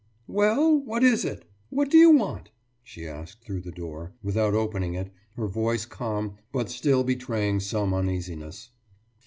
»Well? What is it? What do you want?« she asked through the door, without opening it, her voice calm, but still betraying some uneasiness.